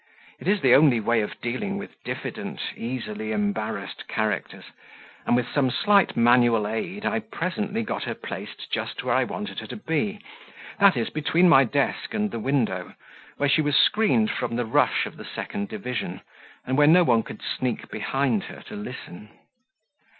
It is the only way of dealing with diffident, easily embarrassed characters, and with some slight manual aid I presently got her placed just where I wanted her to be, that is, between my desk and the window, where she was screened from the rush of the second division, and where no one could sneak behind her to listen.